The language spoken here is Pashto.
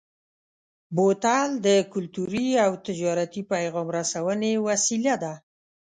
بوتل د کلتوري او تجارتي پیغام رسونې وسیله ده.